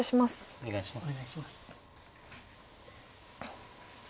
お願いします。